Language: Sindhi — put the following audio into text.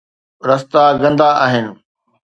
رستا گندا آهن